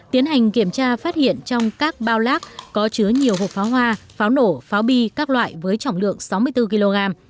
tiến hành kiểm tra phát hiện trong các bao lác có chứa nhiều hộp pháo hoa pháo nổ pháo bi các loại với trọng lượng sáu mươi bốn kg